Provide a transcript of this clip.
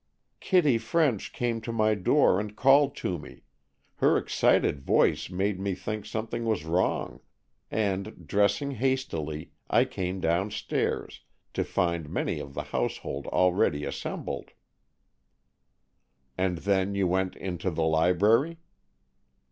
"Kitty French came to my door and called to me. Her excited voice made me think something was wrong, and, dressing hastily, I came downstairs, to find many of the household already assembled." "And then you went into the library?"